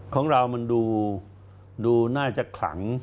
ของเรามันดูน่าจะขลัง